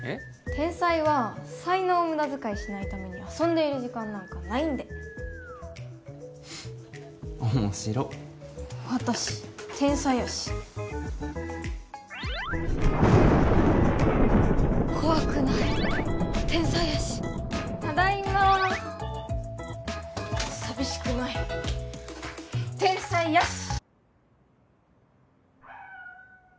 天才は才能をムダ遣いしないために遊んでいる時間なんかないんで面白っ私天才やし怖くない天才やしただいま寂しくない天才やし！